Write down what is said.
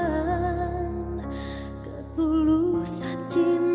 aduh ya tuhan